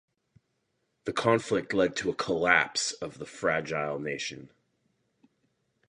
The conflict led to the collapse of the fragile nation.